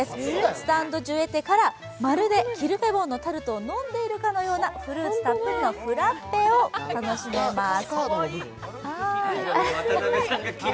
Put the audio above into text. スタンドジュエテからまるでキルフェボンのタルトを飲んでいるかのようなフルーツたっぷりのフラッペを楽しめます。